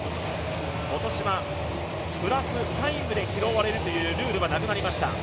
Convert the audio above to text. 今年はプラス、タイムで拾われるというルールはなくなりました。